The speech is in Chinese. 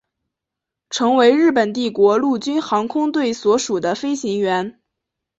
成为日本帝国陆军航空队所属的飞行员。